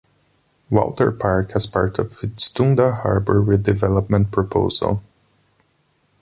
Walter Park as part of its Toondah Harbour redevelopment proposal.